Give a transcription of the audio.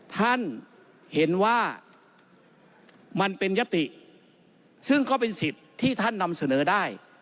ท่านเห็นว่ามันเป็นยติซึ่งก็เป็นสิทธิ์ที่ท่านนำเสนอได้